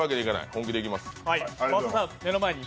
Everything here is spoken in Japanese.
本気でいきます。